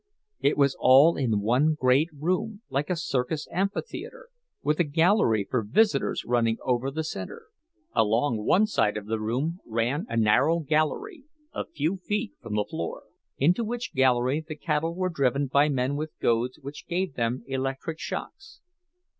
It was all in one great room, like a circus amphitheater, with a gallery for visitors running over the center. Along one side of the room ran a narrow gallery, a few feet from the floor; into which gallery the cattle were driven by men with goads which gave them electric shocks.